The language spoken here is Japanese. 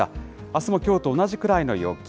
あすもきょうと同じくらいの陽気。